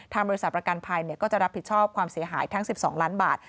บริษัทประกันภัยก็จะรับผิดชอบความเสียหายทั้ง๑๒ล้านบาท